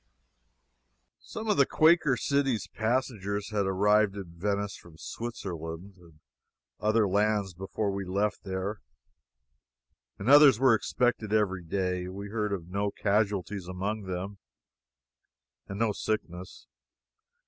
Some of the __Quaker City__'s passengers had arrived in Venice from Switzerland and other lands before we left there, and others were expected every day. We heard of no casualties among them, and no sickness.